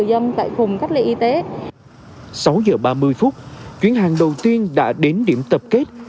sáu giờ ba mươi phút chuyến hàng đầu tiên đã đến điểm tập kết